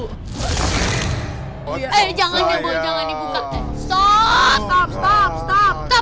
eh jangan ya bu jangan dibuka stop